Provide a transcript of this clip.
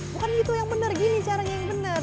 bukan gitu yang bener gini caranya yang bener